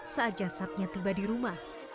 saat jasadnya tiba di rumah